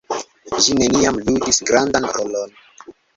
Ĝi neniam ludis grandan rolon.